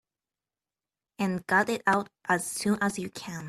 And got it out as soon as you can.